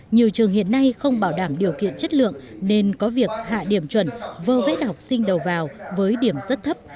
nhiều trường hiện nay không bảo đảm điều kiện chất lượng nên có việc hạ điểm chuẩn vơ vét học sinh đầu vào với điểm rất thấp